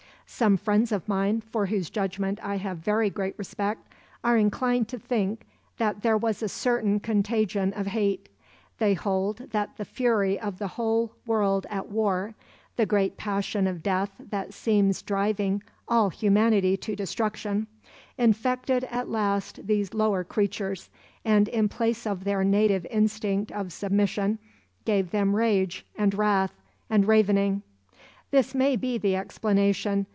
Some friends of mine, for whose judgment I have very great respect, are inclined to think that there was a certain contagion of hate. They hold that the fury of the whole world at war, the great passion of death that seems driving all humanity to destruction, infected at last these lower creatures, and in place of their native instinct of submission, gave them rage and wrath and ravening. This may be the explanation.